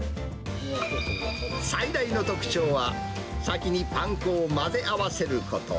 最大の特徴は、先にパン粉を混ぜ合わせること。